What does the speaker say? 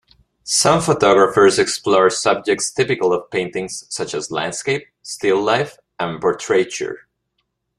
Some photographers explore subjects typical of paintings such as landscape, still life, and portraiture.